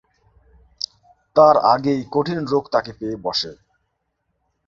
তার আগেই কঠিন রোগ তাকে পেয়ে বসে।